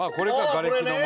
がれきの前。